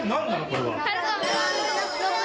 これは。